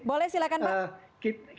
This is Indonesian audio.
boleh silakan pak